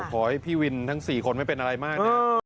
ขอให้พี่วินทั้ง๔คนไม่เป็นอะไรมากนะ